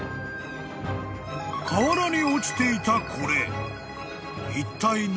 ［河原に落ちていたこれ］